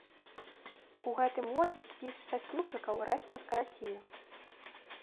У гэтым годзе спіс шчасліўчыкаў рэзка скарацілі.